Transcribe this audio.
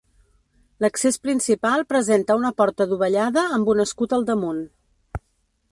L'accés principal presenta una porta dovellada amb un escut al damunt.